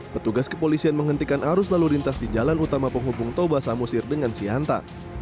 petugas kepolisian menghentikan arus lalu lintas di jalan utama penghubung toba samosir dengan sihanta